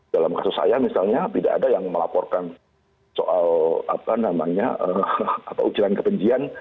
dalam kasus saya misalnya tidak ada yang melaporkan soal apa namanya ujaran kebencian